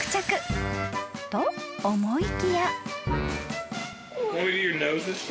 ［と思いきや］